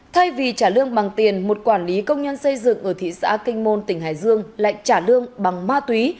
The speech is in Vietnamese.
thay vì trả lương bằng tiền một quản lý công nhân xây dựng ở thị xã kinh môn tỉnh hải dương lại trả lương bằng ma túy